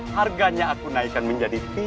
harganya aku naikkan menjadi tiga puluh kp